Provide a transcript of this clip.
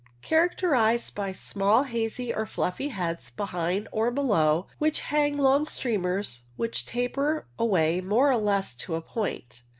Characterized by small hazy or fluffy heads behind or below which hang long streamers, which taper away more or less to a point.